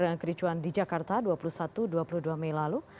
dengan kericuan di jakarta dua puluh satu dua puluh dua mei lalu